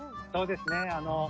そうですね